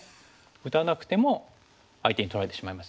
打たなくても相手に取られてしまいますよね。